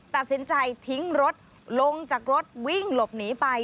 ตัดสินใจทิ้งรถลงจากรถวิ่งหลบหนีไป